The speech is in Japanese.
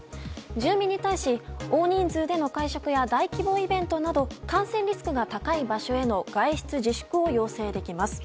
住民に対し、大人数での会食や大規模イベントなど感染リスクが高い場所への外出自粛を要請できます。